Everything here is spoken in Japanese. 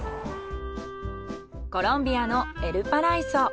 コロンビアのエルパライソ。